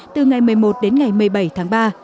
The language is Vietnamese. từ ngày một mươi một đến ngày một mươi bảy tháng ba